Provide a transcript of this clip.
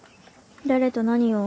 誰と何を？